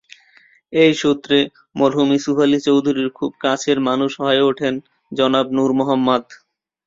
এই সূত্রে মরহুম ইউসুফ আলী চৌধুরীর খুব কাছের মানুষ হয়ে উঠেন জনাব নূর মোহাম্মদ।